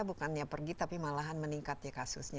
bukannya pergi tapi malahan meningkat ya kasusnya